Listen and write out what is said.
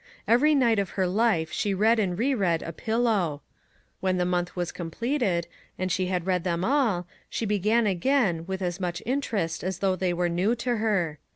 Every night of her life she read and re read a " Pillow." When the month was com pleted, and she had read them all, she began again, with as much interest as though they were new to her.